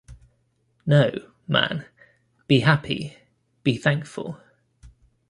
No, man, be happy, be thankful.